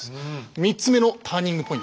３つ目のターニングポイント